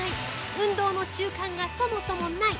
運動の習慣がそもそもない。